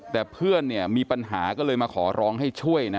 แต่เพื่อนเนี่ยมีปัญหาก็เลยมาขอร้องให้ช่วยนะ